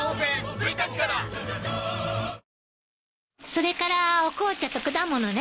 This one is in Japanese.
それからお紅茶と果物ね。